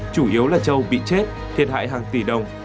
chủ yếu là châu bị chết thiệt hại hàng tỷ đồng